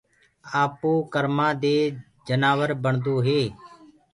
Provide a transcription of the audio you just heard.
آپو ڪرمآنٚ دي جنآور بڻدوئي